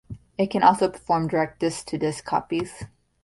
It can also perform direct disc-to-disc copies.